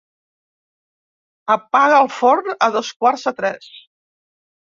Apaga el forn a dos quarts de tres.